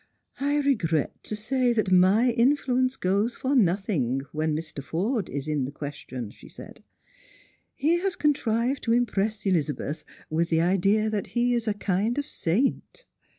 " I regret to say that my influence goes for nothing when Mr. Forde is in question," she said. _" He has contrived to impress Elizabeth with the idea that he is a kind of saint."